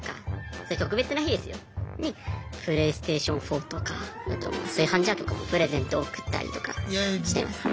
そういう特別な日ですよにプレイステーション４とかあと炊飯ジャーとかもプレゼント贈ったりとかしてますね。